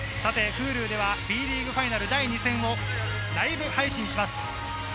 ＨｕｌｕではＢリーグファイナル第２戦もライブ配信します。